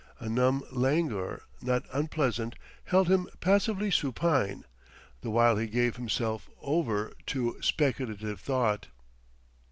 A numb languor, not unpleasant, held him passively supine, the while he gave himself over to speculative thought.